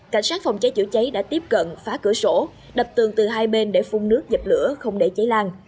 cảnh sát phòng cháy chữa cháy đã tiếp cận phá cửa sổ đập tường từ hai bên để phun nước dập lửa không để cháy lan